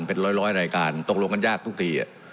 เป็นร้อยรายการตกลงกันยากทุกที